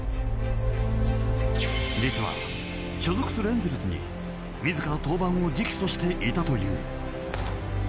実は、所属するエンゼルスに自ら登板を直訴していたという。